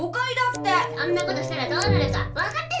そんなことしたらどうなるかわかってんの？